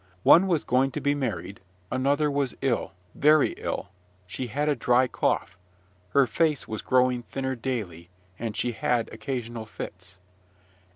One was going to be married; another was ill, very ill, she had a dry cough, her face was growing thinner daily, and she had occasional fits.